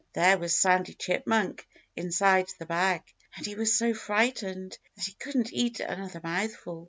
There was Sandy Chipmunk, inside the bag. And he was so frightened that he couldn't eat another mouthful.